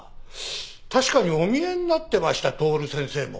確かにお見えになってました徹先生も。